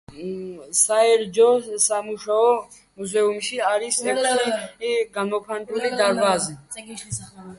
საერთო ჯამში მუზეუმში არის ექვსი საგამოფენო დარბაზი.